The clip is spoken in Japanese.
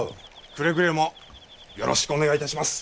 くれぐれもよろしくお願い致します。